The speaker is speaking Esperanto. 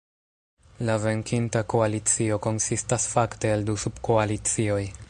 La venkinta koalicio konsistas fakte el du subkoalicioj.